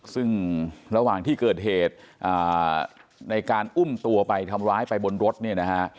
ซึ่งระหว่างที่เกิดเหตุในการอุ้มตัวไปทำร้ายไปบนรถเนี่ยนะฮะ